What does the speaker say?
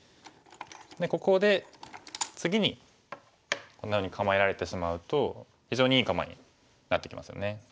でここで次にこんなふうに構えられてしまうと非常にいい構えになってきますよね。